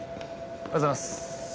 おはようございます。